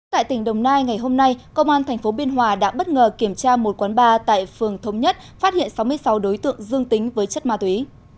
tại tỉnh đồng nai ngày hôm nay công an tp biên hòa đã bất ngờ kiểm tra một quán bar tại phường thống nhất phát hiện sáu mươi sáu đối tượng dương tính với chất ma túy